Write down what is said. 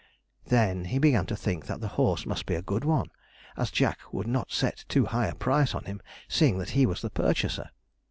Then he began to think that the horse must be a good one, as Jack would not set too high a price on him, seeing that he was the purchaser.